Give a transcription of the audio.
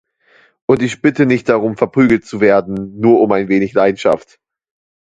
Und ich bitte nicht darum, verprügelt zu werden, nur um ein wenig Leidenschaft.